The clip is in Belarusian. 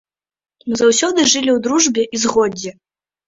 Мы заўсёды жылі ў дружбе і згодзе.